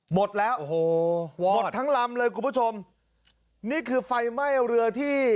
หมดแล้วโอ้โหหมดทั้งลำเลยคุณผู้ชมนี่คือไฟไหม้เรือที่